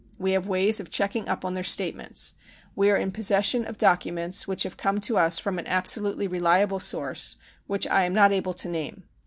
We have ways of checking up their statements. We are in pos session of documents which have come to us from an absolutely reliable source, which I am not able to name.